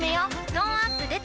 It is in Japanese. トーンアップ出た